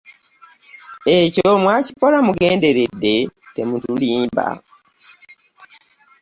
Ekyo mwakikola mugenderedde temutulimba.